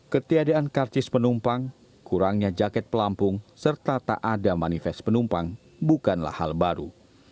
ketiadaan karcis penumpang kurangnya jaket pelampung serta tak ada manifest penumpang bukanlah hal baru